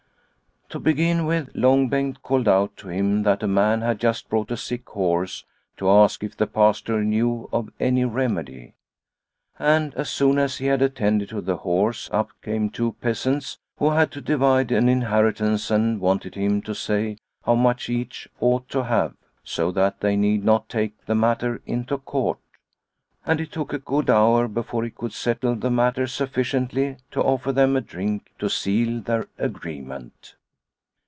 To begin with, Long Bengt called out to him that a man had just brought a sick horse to ask if the Pastor knew of any remedy. And as soon as he had attended to the horse, up came two peasants who had to divide an inheritance and wanted him to say how much each ought to have, so that they need not take the matter into court. And it took a good hour before he could settle the matter sufficiently to offer them a drink to seal their agreement.